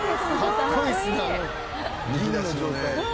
かっこいいっすねあの銀の状態。